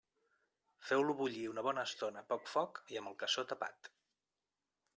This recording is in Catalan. Feu-lo bullir una bona estona a poc foc i amb el cassó tapat.